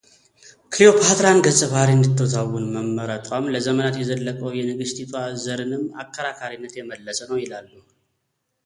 ክሊዮፓትራን ገጸ ባህርይ እንድትተውን መመረጧም ለዘመናት የዘለቀው የንግሥቲቷ ዘርንም አከራካሪነት የመለሰ ነው ይላሉ።